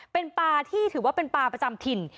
เป็นปลาที่ถือว่าเป็นปลาประจำถิ่น